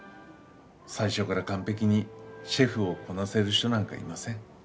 最初から完璧にシェフをこなせる人なんかいません。